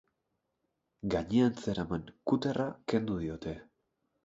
Gainean zeraman kuterra kendu diote.